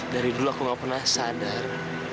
dari dulu aku gak pernah sadar